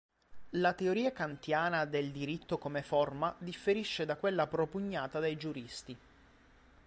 La teoria kantiana del diritto come forma differisce da quella propugnata dai giuristi.